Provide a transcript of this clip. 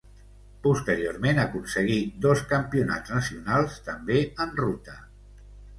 Posteriorment aconseguí dos campionats nacionals també en ruta.